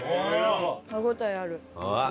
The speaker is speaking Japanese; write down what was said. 歯応えある。